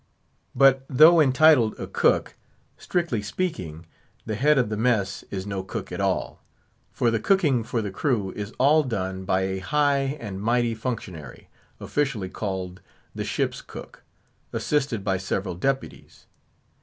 But though entitled a cook, strictly speaking, the head of the mess is no cook at all; for the cooking for the crew is all done by a high and mighty functionary, officially called the "ship's cook," assisted by several deputies.